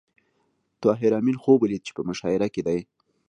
طاهر آمین خوب ولید چې په مشاعره کې دی